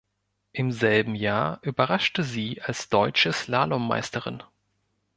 Im selben Jahr überraschte sie als deutsche Slalom-Meisterin.